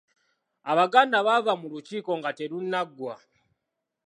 Abaganda baava mu lukiiko nga terunnaggwa.